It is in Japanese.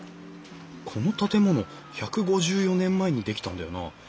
この建物１５４年前に出来たんだよな。